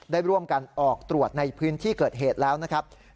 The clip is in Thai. ได้ร่วมกันออกตรวจในพื้นที่เกิดเหตุแล้วนะครับ